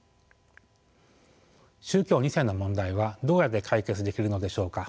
宗教２世の問題はどうやって解決できるのでしょうか。